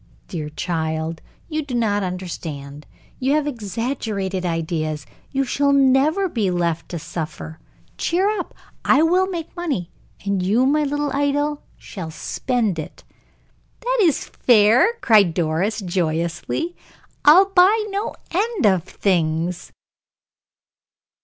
"Dear child, you do not understand. You have exaggerated ideas. You shall never be left to suffer. Cheer up. I will make money, and you, my little idol, shall spend it!" "That is fair," cried Doris, joyously. "I'll buy no end of things."